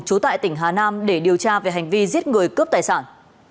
trú tại tỉnh hà nam để điều tra về hành vi giết người cướp tài sản